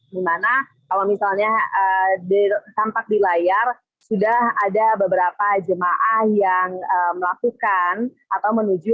dimana kalau misalnya tampak di layar sudah ada beberapa jemaah yang melakukan atau menuju